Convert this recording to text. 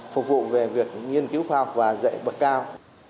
phục vụ về việc nghiên cứu khoa học và dạy bậc cao